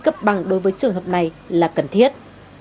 cấp bằng đối với trường hợp này là cần thiết